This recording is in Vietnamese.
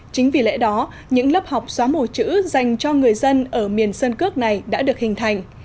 chính vì lẽ đó những lớp học xóa mù chữ dành cho người dân ở miền sơn cước này đã được hình thành